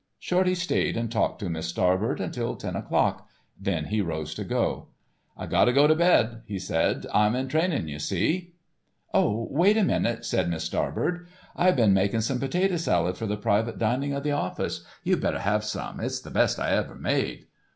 Shorty stayed and talked to Miss Starbird until ten o'clock, then he rose to go. "I gotta get to bed," he said, "I'm in training you see." "Oh, wait a minute," said Miss Starbird, "I been making some potato salad for the private dining of the office, you better have some; it's the best I ever made."